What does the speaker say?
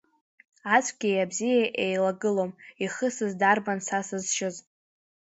Ацәгьеи абзиеи еилагылом, ихысыз дарбан са сызшьыз.